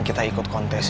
kayaknya udah nih